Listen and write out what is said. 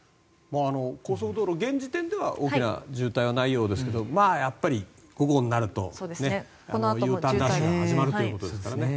高速道路、現時点では大きな渋滞はないようですがやっぱり、午後になるとＵターンラッシュが始まるということですからね。